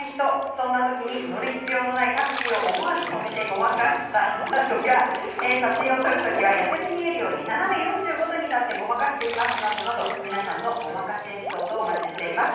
そんな時に、乗る必要のないタクシーを思わず止めてごまかしたとか写真を撮る時は痩せて見えるように斜め４５度に立ってごまかしていますなどなど皆さんのごまかしエピソードをお待ちしています。